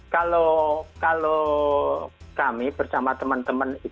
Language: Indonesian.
kalau kami bersama teman teman